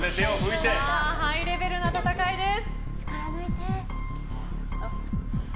ハイレベルな戦いです。